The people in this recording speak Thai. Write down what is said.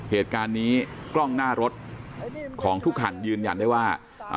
เหตุการณ์นี้กล้องหน้ารถของทุกคันยืนยันได้ว่า